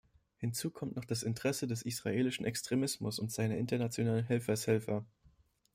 Hinzu kommt noch das Interesse des israelischen Extremismus und seiner internationalen Helfershelfer.